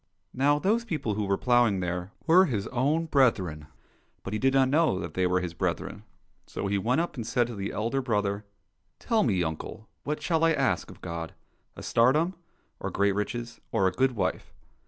Now those people who were ploughing there were his own brethren, but he did not know that they were his brethren. So he went up and said to the elder brother, " Tell me, uncle, what shall I ask of God ? A tsardom, or great riches, or a good wife